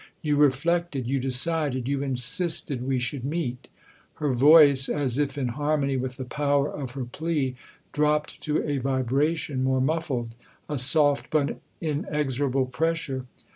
You reflected, you decided, you insisted we should meet." Her voice, as if in harmony with the power of her plea, dropped to a vibration more muffled, a soft but inexorable pressure.